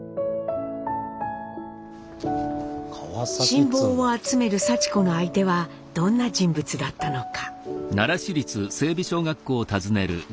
信望を集めるさち子の相手はどんな人物だったのか。